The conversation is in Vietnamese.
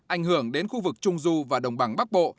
ảnh hưởng đến khu vực trung du và đồng bằng bắc bộ